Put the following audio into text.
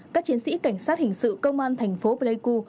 các chiến sĩ cảnh sát hình sự công an thành phố pleiku